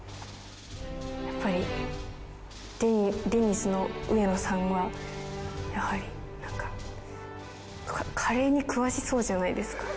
やっぱりデニスの植野さんはやはりなんかカレーに詳しそうじゃないですか？